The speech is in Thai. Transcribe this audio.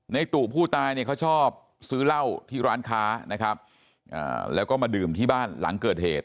ตู่ผู้ตายเนี่ยเขาชอบซื้อเหล้าที่ร้านค้านะครับแล้วก็มาดื่มที่บ้านหลังเกิดเหตุ